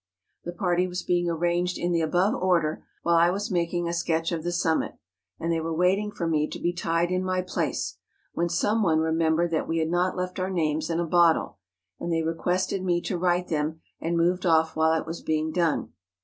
The party was being ar¬ ranged in the above order while I was making a sketch of the summit, and they were waiting for me to be tied in my place, when some one remembered that we had not left our names in a bottle; and they requested me to write them, and moved off while it was being done.